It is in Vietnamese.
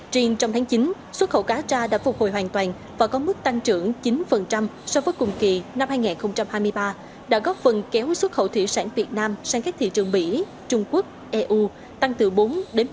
trên trong tháng chín xuất khẩu cà tra đã phục hồi hoàn toàn và có mức tăng trưởng chín so với cùng kỳ năm hai nghìn hai mươi ba đã góp phần kéo xuất khẩu thủy sản việt nam sang các thị trường mỹ trung quốc eu tăng từ bốn một mươi bảy so với cùng kỳ năm hai nghìn hai mươi hai